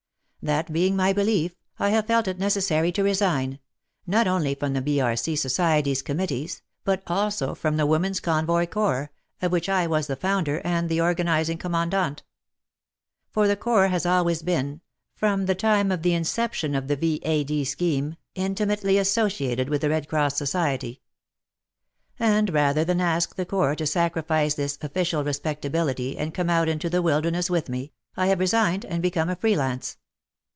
That being my belief, I have felt it necessary to resign, not only from the B.R.C. Society's committees, but also from the Women s Convoy Corps, of which I was the founder, and the organizing commandant. For the Corps has always been — from the time of the inception of the V.A.D. scheme — intimately associated with the Red Cross Society. And rather than ask the Corps to sacrifice this official respectability and come out into the wilderness with me — I have resigned and become a free lance.